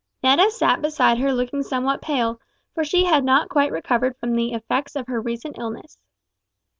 Netta sat beside her looking somewhat pale, for she had not quite recovered from the effects of her recent illness.